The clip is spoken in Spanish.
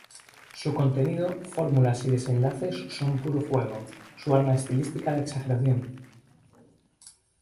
Su contenido, fórmulas y desenlaces son puro juego, su arma estilística la exageración.